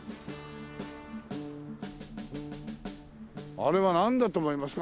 あれはなんだと思いますか？